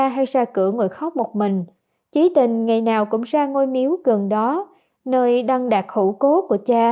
hay ra cửa ngồi khóc một mình chí tình ngày nào cũng ra ngôi miếu gần đó nơi đăng đạt hũ cố của cha